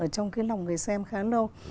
trong cái lòng người xem khá lâu